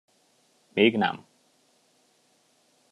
Még nem.